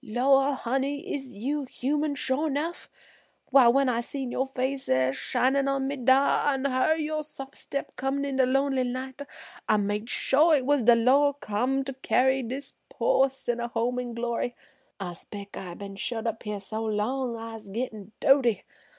"Lor', honey, is you human sho' nuff? Why when I seen yo' face er'shinin' on me dar, an' hearn yer sof' step comin' en de lonely night, I made sho' it was de Lor' come to carry dis' po' sinner to er home in glory. I 'spec' I been shut up her so long I'se gittin' doaty.